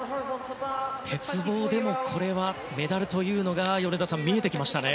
鉄棒でも、これはメダルというのが見えてきましたね。